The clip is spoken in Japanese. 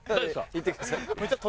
いってください。